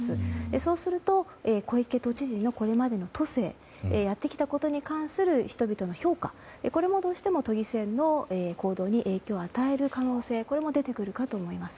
そうすると、小池都知事がこれまで都政、やってきたことに関する人々の評価も、どうしても都議選の行動に影響を与える可能性も出てくるかと思います。